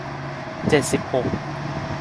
เจ็ดสิบหก